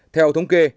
theo thống kê